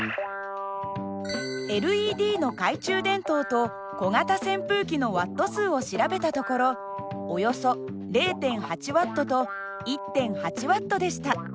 ＬＥＤの懐中電灯と小型扇風機のＷ数を調べたところおよそ０．８Ｗと１．８Ｗでした。